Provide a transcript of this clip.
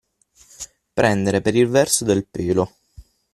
Prendere per il verso del pelo.